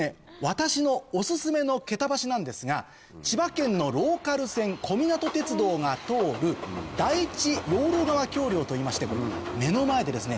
私のお薦めの桁橋なんですが千葉県のローカル線小湊鐵道が通る第一養老川橋梁といいまして目の前でですね